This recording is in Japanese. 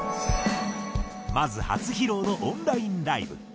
まず初披露のオンラインライブ。